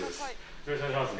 よろしくお願いします